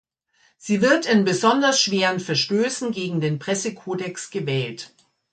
Sie wird in besonders schweren Verstößen gegen den Pressekodex gewählt.